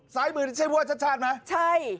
สายมือนี้ใช่พวกชัชชาติไหม